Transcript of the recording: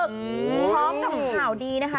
พร้อมกับข่าวดีนะคะ